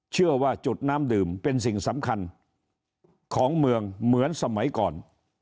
เชื่อว่าจุดน้ำดื่มเป็นสิ่งสำคัญของเมืองเหมือนสมัยก่อน